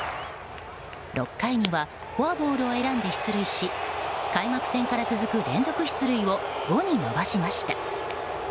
６回にはフォアボールを選んで出塁し開幕戦から続く連続出塁を５に伸ばしました。